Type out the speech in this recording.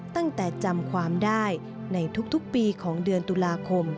จำความได้ในทุกปีของเดือนตุลาคม